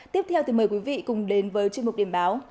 tiếp theo thì mời quý vị cùng theo dõi